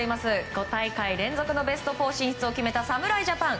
５大会連続の準決勝進出を決めた侍ジャパン。